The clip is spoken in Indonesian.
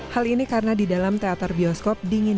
hal ini karena di dalam teater bioskop dingin